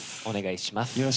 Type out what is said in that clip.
お願いします。